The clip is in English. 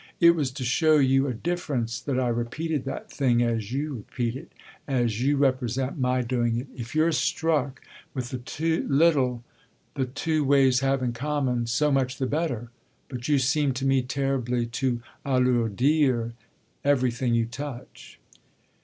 It was to show you a difference that I repeated that thing as you repeat it, as you represent my doing it. If you're struck with the little the two ways have in common so much the better. But you seem to me terribly to alourdir everything you touch."